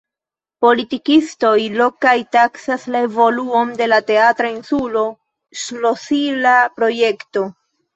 Politikistoj lokaj taksas la evoluon de la Teatra insulo ŝlosila projekto.